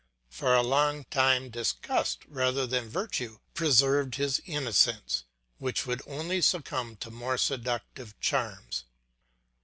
For a long time disgust rather than virtue preserved his innocence, which would only succumb to more seductive charms.